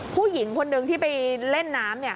ผู้หญิงคนหนึ่งที่ไปเล่นน้ำ